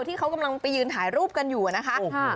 ที่เขากำลังไปยืนถ่ายรูปกันอยู่นะคะ